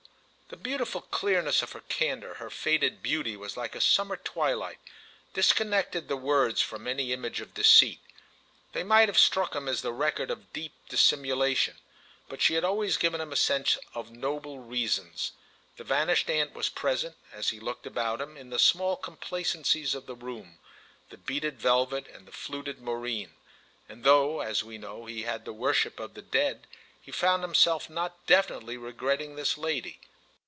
The beautiful clearness of her candour—her faded beauty was like a summer twilight—disconnected the words from any image of deceit. They might have struck him as the record of a deep dissimulation; but she had always given him a sense of noble reasons. The vanished aunt was present, as he looked about him, in the small complacencies of the room, the beaded velvet and the fluted moreen; and though, as we know, he had the worship of the Dead, he found himself not definitely regretting this lady.